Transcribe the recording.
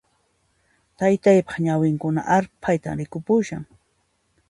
Taytaypaq ñawinkuna arphaytan rikupushan